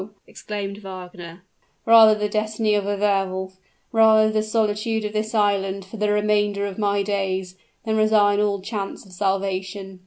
exclaimed Wagner. "Rather the destiny of a Wehr Wolf rather the solitude of this island for the remainder of my days than resign all chance of salvation!